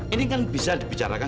ini kan bisa dibicarakan